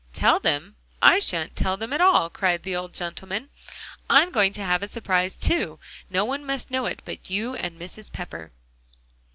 "Tell them? I shan't tell them at all," cried the old gentleman; "I'm going to have a surprise, too. No one must know it but you and Mrs. Pepper."